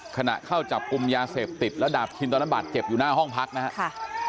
ขณะเข้าจับกลุ่มยาเสพติดแล้วดาบชินตอนนั้นบาดเจ็บอยู่หน้าห้องพักนะครับ